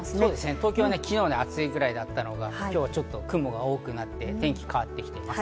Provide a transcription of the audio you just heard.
東京は昨日暑いぐらいだったのが、今日は雲が多くなって天気が変わってきています。